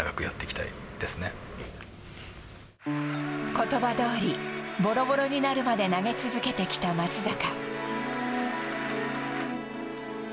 言葉どおりボロボロになるまで投げ続けてきた松坂。